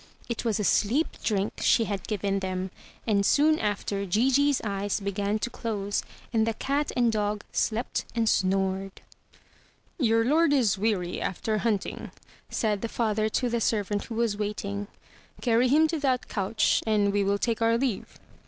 It was a sleep drink she had given 341 MY BOOK HOUSE them; and soon after Gigi's eyes began to close, and the cat and dog slept and snored. "Your lord is weary after hunting," said the father to the servant who was waiting. "Carry him to that couch; and we will take our leave.